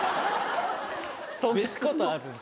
そんなことある？